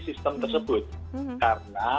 sistem tersebut karena